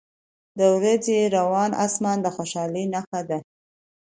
• د ورځې روڼ آسمان د خوشحالۍ نښه ده.